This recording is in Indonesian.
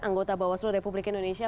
anggota bawaslu republik indonesia